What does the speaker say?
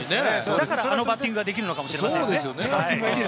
だから、あのバッティングができるのかもしれませんね。